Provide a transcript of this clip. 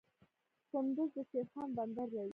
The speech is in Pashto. کندز د شیرخان بندر لري